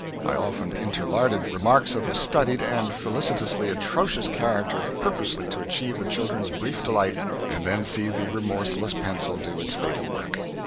I often interlarded remarks of a studied and felicitously atrocious character purposely to achieve the children's brief delight, and then see the remorseless pencil do its fatal work.